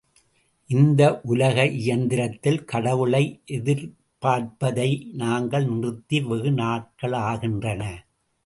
இந்த உலக இயந்திரத்தில் கடவுளை எதிர்பார்ப்பதை நாங்கள் நிறுத்தி வெகு நாட்களாகின்றன.